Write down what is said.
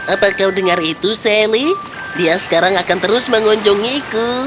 apa kau dengar itu sally dia sekarang akan terus mengunjungiku